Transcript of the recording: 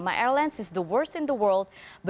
airlines saya adalah yang terburuk di dunia